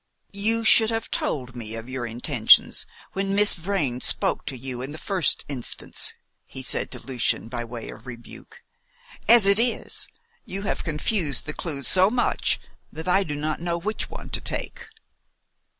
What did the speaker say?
"You should have told me of your intentions when Miss Vrain spoke to you in the first instance," he said to Lucian by way of rebuke. "As it is, you have confused the clues so much that I do not know which one to take."